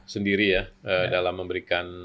sendiri ya dalam memberikan